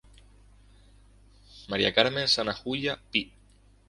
Mª Carmen Sanahuja Pi.